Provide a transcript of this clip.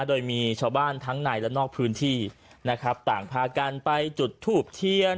โดยมีชาวบ้านทั้งในและนอกพื้นที่นะครับต่างพากันไปจุดทูบเทียน